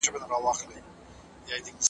ولي ګوندونه د سياسي واک له پاره نه متحد کېږي؟